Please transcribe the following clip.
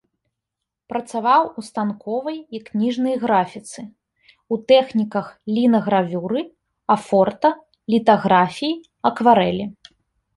Працаваў у станковай і кніжнай графіцы, у тэхніках лінагравюры, афорта, літаграфіі, акварэлі.